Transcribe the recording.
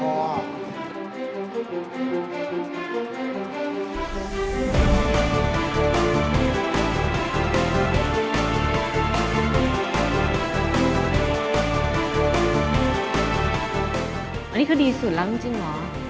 อันนี้เขาดีสุดแล้วจริงเหรอ